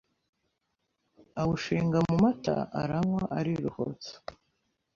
awushinga mu mata, aranywa, ariruhutsa,